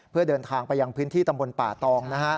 เพื่อเดินทางไปยังพื้นที่ตำบลป่าตอง